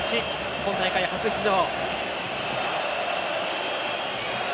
今大会初出場。